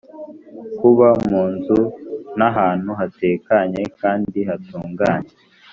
kuba mu nzu n ahantu hatekanye kandi hatunganye